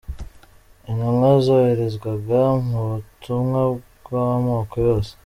Intumwa : Zoherezwaga mu butumwa bw’amoko yose.